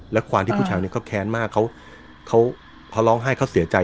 และความที่ผู้ชายเขาแค้นมากเขาพอร้องไห้เขาเสียใจ